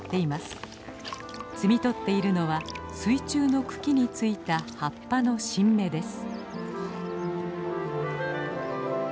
摘み取っているのは水中の茎についた葉っぱの新芽です。